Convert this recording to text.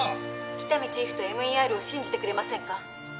喜多見チーフとＭＥＲを信じてくれませんか？